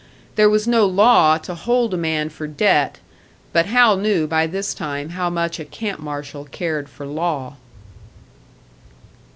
There was no law to hold a man for debt but Hal knew by this time how much a camp marshal cared for law.